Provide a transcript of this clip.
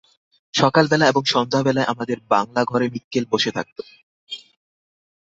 সকালবেলা এবং সন্ধ্যাবেলায় আমাদের বাংলাঘরেমিক্কেল বসে থাকত।